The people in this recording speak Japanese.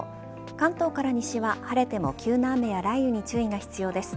関東から西は晴れても急な雨や雷雨に注意が必要です。